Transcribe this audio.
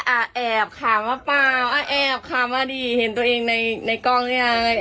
แอบขามาเปล่าแอบขามาดีเห็นตัวเองในกล้องเนี่ย